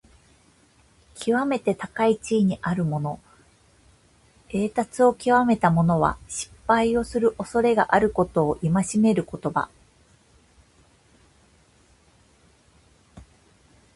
きわめて高い地位にあるもの、栄達をきわめた者は、失敗をするおそれがあることを戒める言葉。